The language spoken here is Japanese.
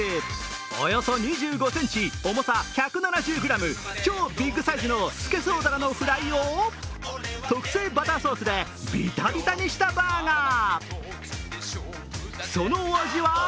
およそ２５ｃｍ、重さ１７０ｇ、超ビッグサイズのスケソウダラのフライを特製バターソースでびたびたにしたバーガー。